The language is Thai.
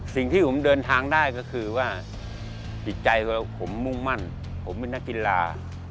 สิ่งที่ผมเดินทางได้ก็คือว่าจิตใจผมมุ่งมั่นผมเป็นนักกีฬา